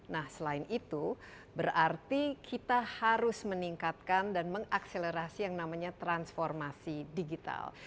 nah selain itu berarti kita harus meningkatkan dan mengakselerasi yang namanya transformasi digital